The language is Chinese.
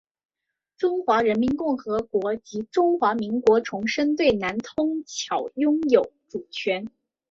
中华人民共和国及中华民国重申对南通礁拥有主权。